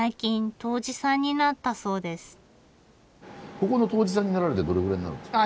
ここの杜氏さんになられてどれぐらいになるんですか？